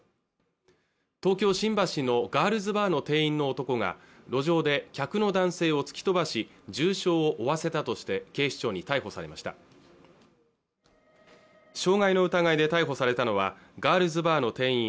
東京新橋のガールズバーの店員の男が路上で客の男性を突き飛ばし重傷を負わせたとして警視庁に逮捕されました傷害の疑いで逮捕されたのはガールズバーの店員